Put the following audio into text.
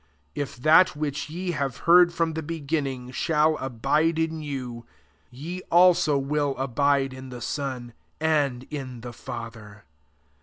If that which ye have heard from the beginning shall abide in you, ye also will abide in the Son, and in the Father.